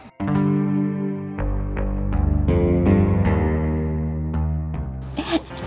saya sudah dilihat